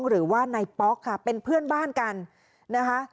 หรือว่านายป๊อกค่ะเป็นเพื่อนบ้านกันนะคะ